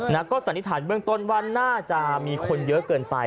แล้วก็สันนิษฐานเบื้องต้นว่าน่าจะมีคนเยอะเกินไป